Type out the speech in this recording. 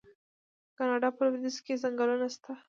د کاناډا په لویدیځ کې ځنګلونه شته.